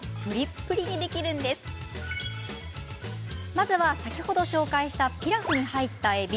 まずは先ほど紹介したピラフに入ったえび。